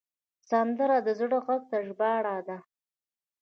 سندره د زړه غږ ته ژباړه ده